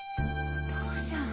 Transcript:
お父さん。